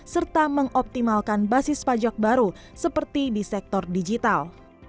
serta mengoptimalkan basis pajak baru seperti di sektor digital